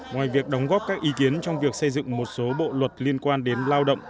ngoài việc đóng góp các ý kiến trong việc xây dựng một số bộ luật liên quan đến lao động